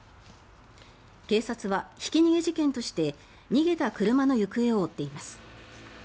警察はひき逃げ事件として逃げた車の行方を追っています。